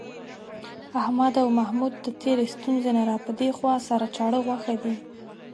احمد او محمود د تېرې ستونزې نه را پدېخوا، سره چاړه غوښه دي.